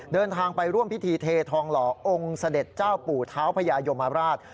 เดินทางไปร่วมพิธีเททองหล่อองค์เสด็จเจ้าปู่เท้าพญายมราช